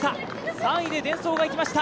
３位でデンソーがいきました。